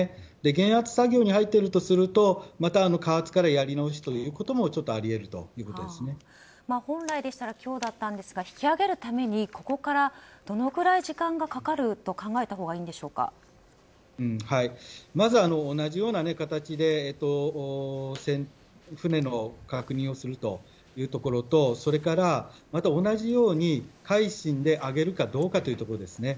減圧作業に入っているとするとまた加圧からやり直しということも本来だと今日だったんですがここからどれくらい時間がかかると考えたほうが同じような形で船の確認をするというところとそれからまた同じように「海進」で上げるかどうかというところですね。